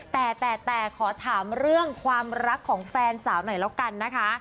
แต่แต่ขอถามเรื่องความรักของแฟนสาวหน่อยแล้วกันนะคะ